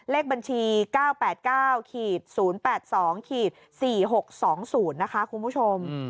เลขบัญชี๙๘๙๐๘๒๔๖๒๐นะคะคุณผู้ชม